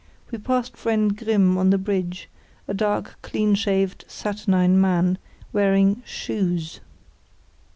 We passed friend Grimm on the bridge; a dark, clean shaved, saturnine man, wearing _shoes.